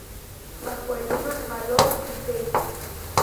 Bajo el lema: "Valor y Fe".